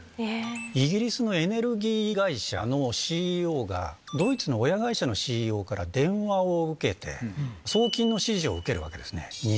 イギリスのエネルギー会社のＣＥＯが、ドイツの親会社のＣＥＯから電話を受けて、送金の指示を受けるわけですね。